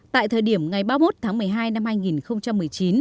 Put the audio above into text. tại thời điểm ngày ba mươi một tháng một mươi hai năm hai nghìn một mươi chín